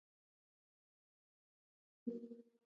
له خپل هوى او هوس نه پرته بل څه زړه ته نه پرېږدي